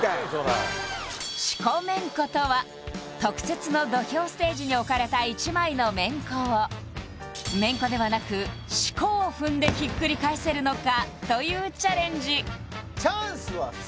四股めんことは特設の土俵ステージに置かれた１枚のめんこをめんこではなく四股を踏んでひっくり返せるのかというチャレンジ